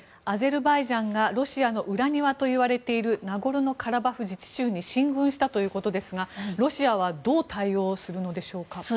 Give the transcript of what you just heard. アゼルバイジャンがロシアの裏庭といわれているナゴルノカラバフ自治州に進軍したということですがロシアはどう対応するのでしょうか。